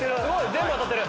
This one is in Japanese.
全部当たってる。